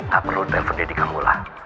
gak perlu telpon daddy kamu lah